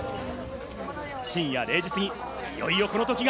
深夜０時過ぎ、いよいよこの時が。